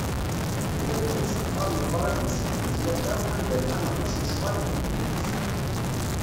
Yella diɣ usenfar n ubaraǧ n Ssuq n Ttlata, anda lḥan aṭas lecɣal n lebni-ines.